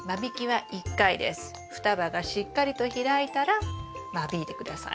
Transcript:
双葉がしっかりと開いたら間引いて下さい。